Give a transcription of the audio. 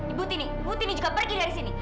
ibu tini ibu tini juga pergi dari sini